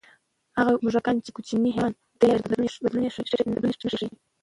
هغه موږکان چې کوچني حیوان بکتریاوې لري، بدلون نه ښيي.